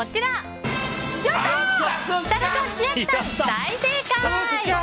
大正解！